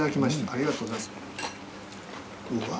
ありがとうございます。